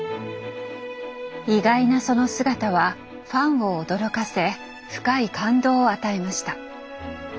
意外なその姿はファンを驚かせ深い感動を与えました。